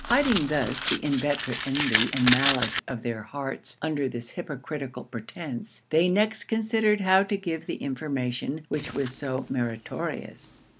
Hiding thus the inveterate envy and malice of their hearts under this hypocritical pretence, they next considered how to give the information which was so meritorious.